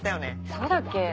そうだっけ？